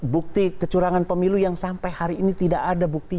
bukti kecurangan pemilu yang sampai hari ini tidak ada buktinya